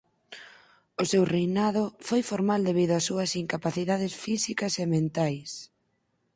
O seu reinado foi formal debido ás súas incapacidades físicas e mentais.